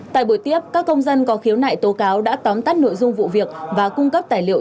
tại buổi tiếp các công dân có khiếu nại tố cáo đã tóm tắt nội dung vụ việc và cung cấp tài liệu